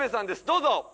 どうぞ。